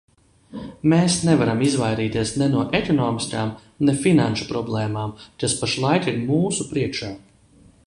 Mēs nevaram izvairīties ne no ekonomiskām, ne finanšu problēmām, kas pašlaik ir mūsu priekšā.